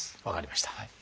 分かりました。